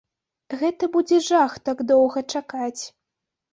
Гэта будзе жах так доўга чакаць.